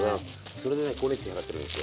それでね光熱費払ってるんですよ。